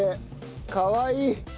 かわいい。